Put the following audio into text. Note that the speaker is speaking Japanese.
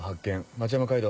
町山街道